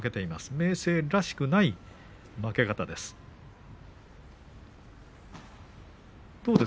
明生らしくない負け方です。